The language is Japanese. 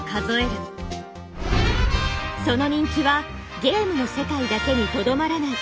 その人気はゲームの世界だけにとどまらない。